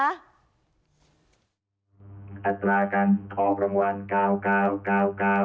อัตรากันขอบรางวัล๙๙๙๙๙๗